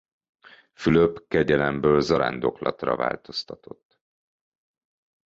Fülöp kegyelemből zarándoklatra változtatott.